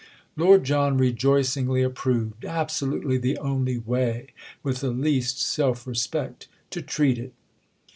Lord John rejoicingly approved. "Absolutely the only way—with the least self respect—to treat it!"